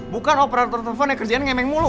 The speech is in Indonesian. bukan operator telepon yang kerjanya ngemeng mulu